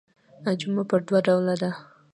جمعه پر دوه ډوله ده.